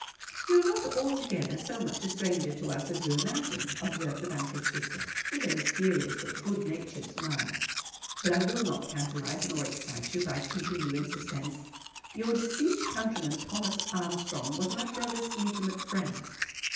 "You are not altogether so much a stranger to us as you imagine," observed the banker's sister, with a mysterious but good natured smile. "But I will not tantalize, nor excite you by keeping you in suspense. Your deceased countryman Thomas Armstrong was my brother's intimate friend."